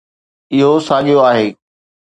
اهو ساڳيو آهي.